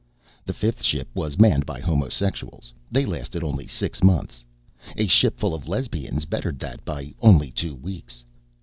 The fifth ship was manned by homosexuals. They lasted only six months. A ship full of lesbians bettered that by only two weeks.